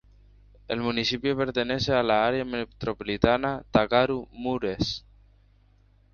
El municipio pertenece a la Área metropolitana de Târgu Mureş.